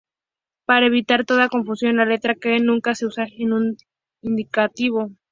Para evitar toda confusión, la letra Q nunca se usa en un indicativo.